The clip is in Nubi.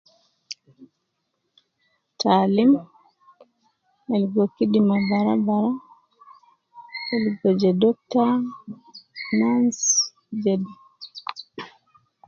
Taalim ligo kidima bara bara, ligo je doctor, nurse, je